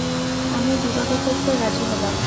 আমি বিবাহ করতে রাজি হলাম!